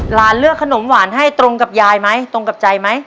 เลือกขนมหวานให้ตรงกับยายไหมตรงกับใจไหม